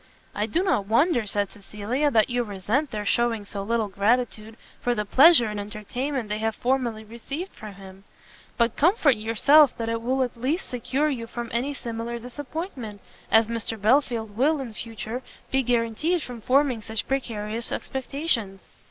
"I do not wonder," said Cecilia, "that you resent their shewing so little gratitude for the pleasure and entertainment they have formerly received from him but comfort yourself that it will at least secure you from any similar disappointment, as Mr Belfield will, in future, be guarded from forming such precarious expectations."